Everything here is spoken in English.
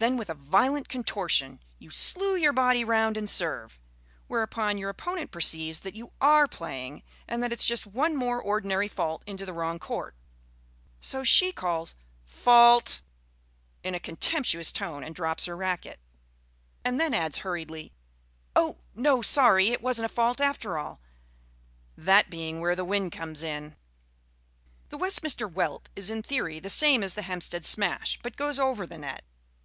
Then with a violent contortion you slue your body round and serve, whereupon your opponent perceives that you are playing, and that it is just one more ordinary fault into the wrong court. So she calls "Fault!" in a contemptuous tone and drops her racquet ... and then adds hurriedly, "Oh, no, sorry, it wasn't a fault, after all." That being where the wind comes in. The Westminster Welt is in theory the same as the Hampstead Smash, but goes over the net.